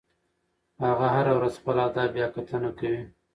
هغه هره ورځ خپل اهداف بیاکتنه کوي.